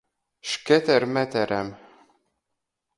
Šketermeterem.